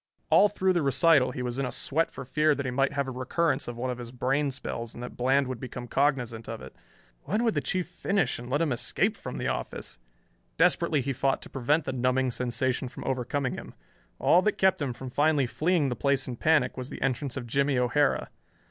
All through the recital he was in a sweat for fear that he might have a recurrence of one of his brain spells and that Bland would become cognizant of it. When would the Chief finish and let him escape from the office? Desperately he fought to prevent the numbing sensation from overcoming him. All that kept him from finally fleeing the place in panic was the entrance of Jimmie O'Hara.